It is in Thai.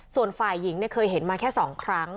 ส่วนฝ่ายหญิงเคยเห็นมาแค่๒ครั้ง